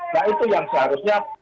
nah itu yang seharusnya